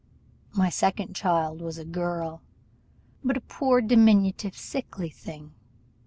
My second child was a girl; but a poor diminutive, sickly thing.